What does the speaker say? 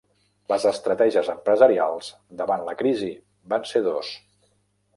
Les estratègies empresarials davant la crisi van ser dos.